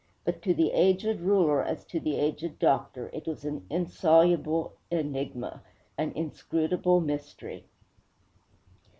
But to the aged ruler, as to the aged doctor, it was an insoluble enigma, an inscrutable mystery.